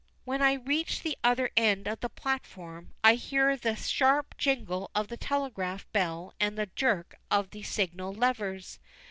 When I reach the other end of the platform I hear the sharp jingle of the telegraph bell and the jerk of the signal levers.